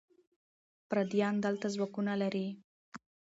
پردیان دلته ځواکونه لري.